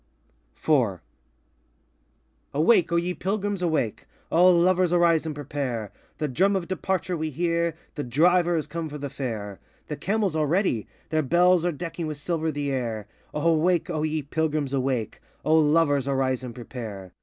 IV Awake, O ye Pilgrims, awake! O Lovers, arise and prepare! The drum of departure we hear; The Driver is come for the fare. The camels are ready; their bells Are decking with silver the air. Awake, O ye Pilgrims, awake! O Lovers, arise and prepare!